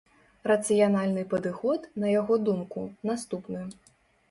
Рацыянальны падыход, на яго думку, наступны.